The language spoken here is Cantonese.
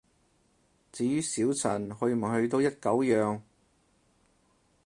至於小陳，去唔去都一狗樣